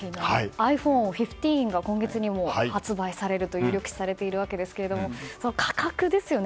ｉＰｈｏｎｅ１５が今月に発売されると有力視されているわけですが価格ですよね。